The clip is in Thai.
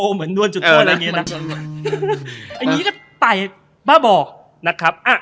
เหมือนนวนจุดท่วนอะไรเงี้ยนะอันนี้ก็ไต่บ้าบอกนะครับอ่า